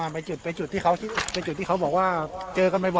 ไปจุดที่เขาบอกว่าเจอกันบ่อย